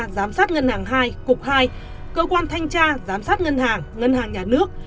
giám sát ngân hàng hai cục hai cơ quan thanh tra giám sát ngân hàng ngân hàng nhà nước